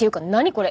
これ。